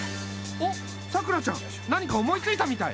おっさくらちゃん何か思いついたみたい。